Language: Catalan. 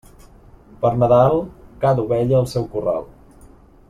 Pel Nadal, cada ovella al seu corral.